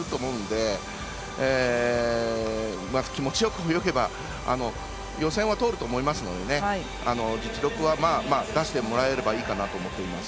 それでも初ですと緊張すると思うので気持ちよく泳げば予選は通ると思いますので実力は出してもらえればいいかなと思っています。